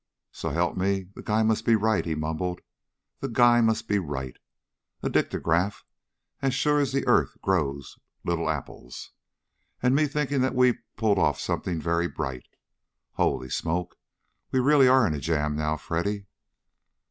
"So help me, the guy must be right!" he mumbled. "The guy must be right! A dictograph as sure as the earth grows little apples. And me thinking that we'd pulled off something very bright. Holy smoke! We really are in a jam now, Freddy!"